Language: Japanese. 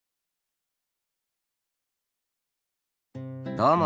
どうも。